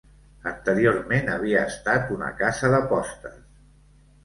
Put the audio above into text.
Anteriorment havia estat una Casa de Postes.